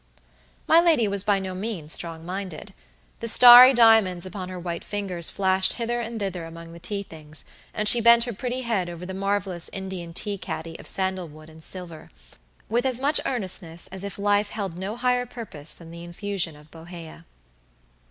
My lady was by no means strong minded. The starry diamonds upon her white fingers flashed hither and thither among the tea things, and she bent her pretty head over the marvelous Indian tea caddy of sandal wood and silver, with as much earnestness as if life held no higher purpose than the infusion of Bohea.